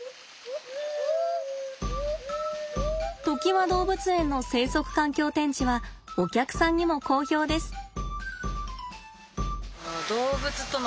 ときわ動物園の生息環境展示はお客さんにも好評です。